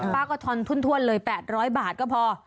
ป้าก็ทอนถ้วนเลย๘๐๐บาทก็พอ